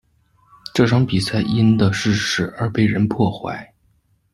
这场比赛因的逝世而被人破坏。